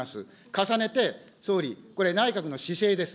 重ねて総理、これ、内閣の姿勢です。